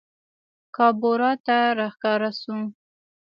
کابورا ته راښکاره سوو